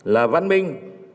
là văn minh